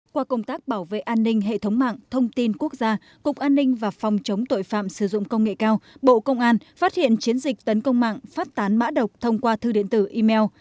qua công tác bảo vệ an ninh hệ thống mạng thông tin quốc gia cục an ninh và phòng chống tội phạm sử dụng công nghệ cao bộ công an phát hiện chiến dịch tấn công mạng phát tán mã độc thông qua thư điện tử email